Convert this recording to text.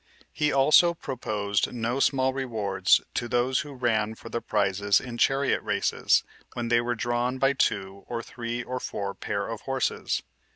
He also proposed no small rewards to those who ran for the prizes in chariot races, when they were drawn by two, or three, or four pair of horses.